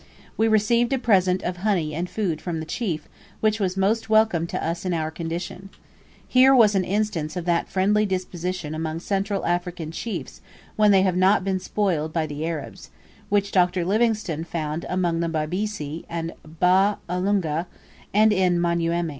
We received a present of honey and food from the chief, which was most welcome to us in our condition. Here was an instance of that friendly disposition among Central African chiefs when they have not been spoiled by the Arabs, which Dr. Livingstone found among the Babisa and Ba ulungu, and in Manyuema.